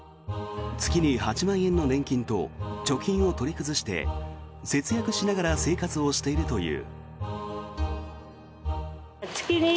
月に８万円の年金と貯金を取り崩して節約しながら生活をしているという。